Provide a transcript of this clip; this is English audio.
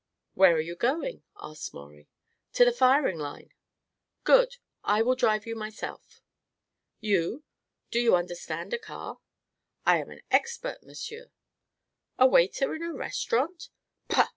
"Where are you going?" asked Maurie. "To the firing line." "Good. I will drive you myself." "You? Do you understand a car?" "I am an expert, monsieur." "A waiter in a restaurant?" "Pah!